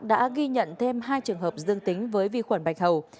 đã ghi nhận thêm hai trường hợp dương tính với vi khuẩn bạch hầu